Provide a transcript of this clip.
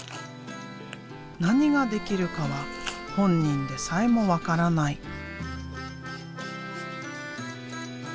何ができるかは本人でさえも分からない。